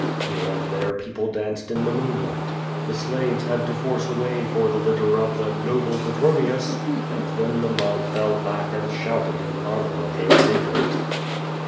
Here and there people danced in the moonlight. The slaves had to force a way for the litter of the "noble Petronius," and then the mob fell back and shouted in honor of their favorite.